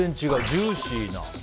ジューシーな。